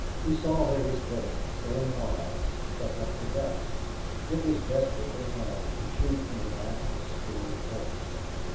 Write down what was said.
He saw where his bullet, going wide, struck up the dust. It was desperately hard to shoot from the back of a scared horse.